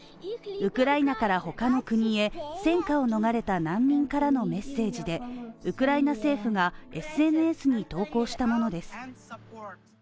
ウクライナから他の国へ戦火を逃れた難民からのメッセージでウクライナ政府がＳＮＳに投稿したものです。